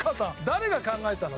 誰が考えたの？